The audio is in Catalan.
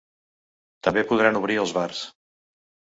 També podran obrir els bars.